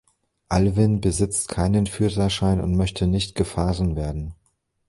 Alvin besitzt keinen Führerschein und möchte nicht gefahren werden.